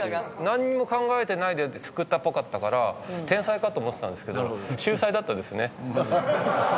なんにも考えてないで作ったっぽかったから天才かと思ってたんですけど秀才だったですね。